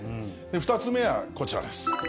２つ目はこちらです。